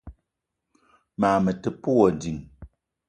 Mag me te pe wa ding.